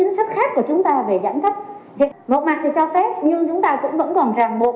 một mặt thì cho phép nhưng chúng ta cũng vẫn còn ràng bột rất nhiều điều kiện